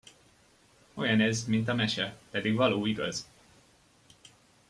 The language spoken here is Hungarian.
Olyan ez, mint a mese, pedig való igaz!